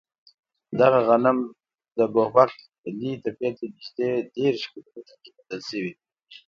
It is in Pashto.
دغه غنم د ګوبک لي تپې ته نږدې دېرش کیلو متره کې موندل شوی.